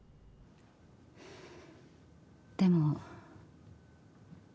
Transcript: でも。